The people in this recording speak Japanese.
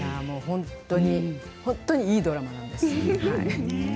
本当に本当にいいドラマなんですよ。